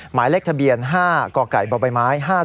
หมายเลขทะเบียน๕กบม๕๒๔๘